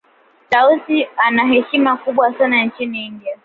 tausi ana heshima kubwa sana nchini india